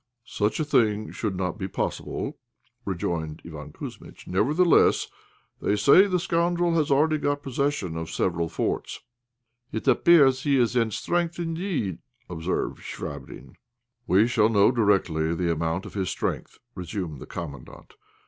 "Such a thing should not be possible," rejoined Iván Kouzmitch; "nevertheless, they say the scoundrel has already got possession of several forts." "It appears that he is in strength, indeed," observed Chvabrine. "We shall know directly the amount of his strength," resumed the Commandant.